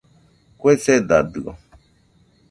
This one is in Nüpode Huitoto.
Kue sedadio.